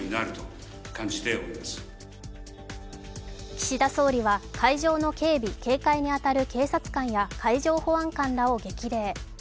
岸田総理は会場の警備警戒に当たる警察官や海上保安官らを激励。